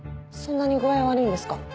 そんなに具合悪いんですか？